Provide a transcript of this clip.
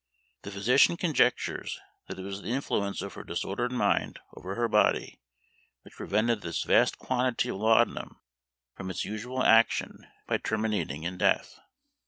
The physician conjectures that it was the influence of her disordered mind over her body which prevented this vast quantity of laudanum from its usual action by terminating in death.